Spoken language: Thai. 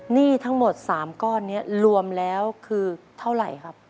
หนี้ทั้งหมด๓ก้อนนี้รวมแล้วคือเท่าไหร่ครับ